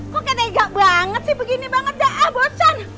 kok kena igak banget sih begini banget dah ah bosan